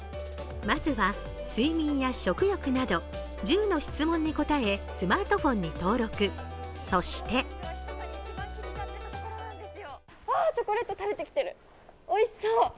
まずは睡眠や食欲など１０の質問に答えスマートフォンに登録、そしてうわー、チョコレート垂れてきてる、おいしそう。